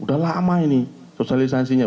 sudah lama ini sosialisasinya